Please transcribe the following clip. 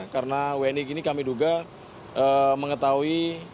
karena wni ini kami duga mengetahui